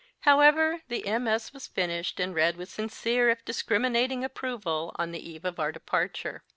However, the MS. was finished and read with sincere, if discriminating, approval, on the eve of our departure.